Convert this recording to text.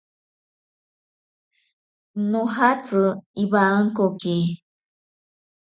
Nojatsi iwankoki.